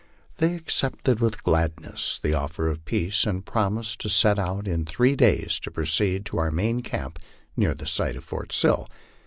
They accepted with gladness the offer of peace, and promised to set out in three days to proceed to our main camp, near the site of Fort Sill.